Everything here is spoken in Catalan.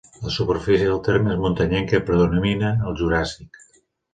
La superfície del terme és muntanyenca i predomina el Juràssic.